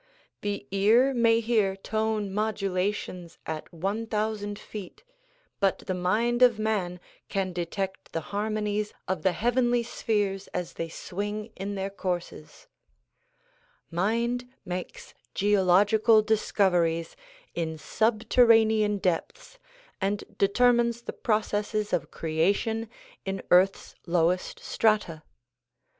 The ear may hear tone modulations at one thousand feet but the mind of man can detect the harmonies of the heavenly spheres as they swing in their courses. INIind makes DISCOURSES DELiVEKED L\ WASHINGTON 61 geological discoveries in subterranean depths and determines the processes of creation in earth's lowest strata.